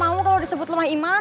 kamu kalo disebut lemah iman